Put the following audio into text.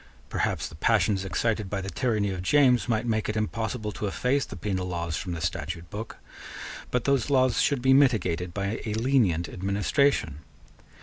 Perhaps the passions excited by the tyranny of James might make it impossible to efface the penal laws from the statute book but those laws should be mitigated by a lenient administration.